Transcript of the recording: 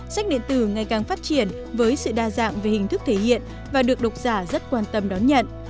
sách điện tử ngày càng phát triển với sự đa dạng về hình thức thể hiện và được độc giả rất quan tâm đón nhận